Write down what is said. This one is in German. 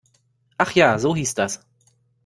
Ach ja, so hieß das.